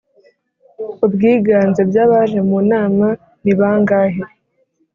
ubwiganze byabaje mu nama nibangahe